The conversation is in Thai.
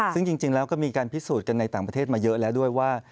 ซึ่งจริงแล้วก็มีการพิสูจน์กันในต่างประเทศมาเยอะแล้วด้วยว่า